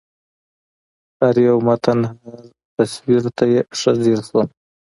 هر یو متن هر تصویر ته یې ښه ځېر شوم